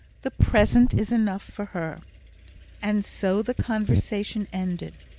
The present is enough for her." And so the conversation ended.